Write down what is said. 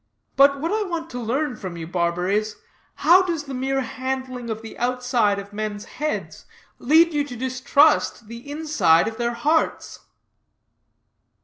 But what I want to learn from you, barber, is, how does the mere handling of the outside of men's heads lead you to distrust the inside of their hearts?